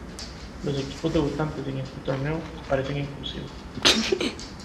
Los equipos debutantes en este torneo aparecen en cursiva.